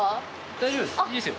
大丈夫ですよ。